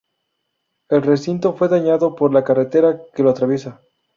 El recinto fue dañado por la carretera que lo atraviesa.